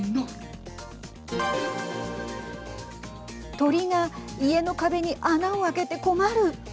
鳥が家の壁に穴を開けて困る。